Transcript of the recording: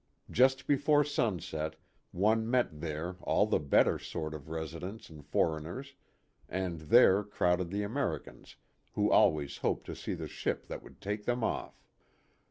Just before sunset one met there all the better sort of residents and foreigners, and there crowded the Americans who always hoped to see the ship that would take them off.